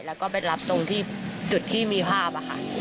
แล้วก็ไปรับตรงที่จุดที่มีภาพค่ะ